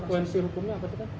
kekuansi hukumnya apa itu kan